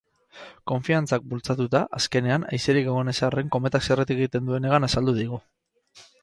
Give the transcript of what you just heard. Konfiantzak bultzatuta, azkenean, haizerik egon ez arren kometak zergatik egiten duen hegan azaldu digu.